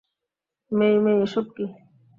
মেই-মেই, এসব কী?